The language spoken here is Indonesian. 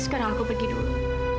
sekarang aku pergi dulu